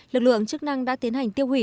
lực lượng chức năng đã tiến hành tiêu hủy